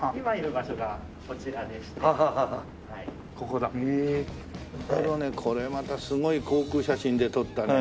これまたすごい航空写真で撮ったね。